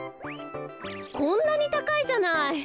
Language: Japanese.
こんなにたかいじゃない。